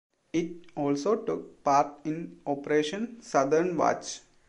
It also took part in Operation Southern Watch.